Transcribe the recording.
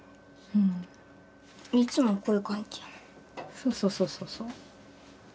そうそうそうそうそう。